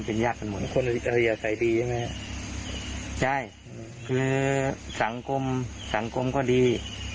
ใช่คือสังคมก็ดี